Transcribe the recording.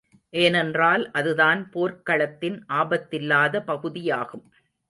ஏனென்றால் அதுதான் போர்க்களத்தின் ஆபத்தில்லாத பகுதியாகும்.